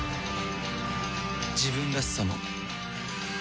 自分らしさも